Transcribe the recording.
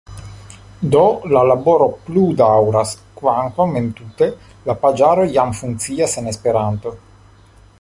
Do, la laboro plu daŭras, kvankam entute la paĝaro jam funkcias en Esperanto.